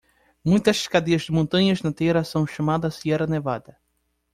Muitas cadeias de montanhas na terra são chamadas Sierra Nevada.